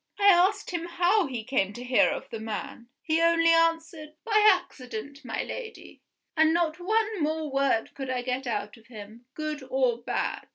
I asked him how he came to hear of the man. He only answered, 'By accident, my Lady' and not one more word could I get out of him, good or bad.